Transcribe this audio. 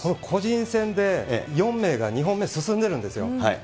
個人戦で４名が２本目進んでるんですよ。